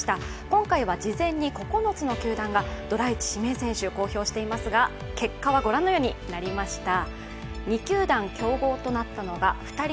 今回は事前に９つの球団がドラ１指名選手を公表していますが結果は御覧のようになりました。